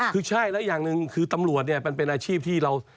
คือใช่แล้วอย่างหนึ่งคือตำรวจเนี่ยมันเป็นอาชีพที่เรา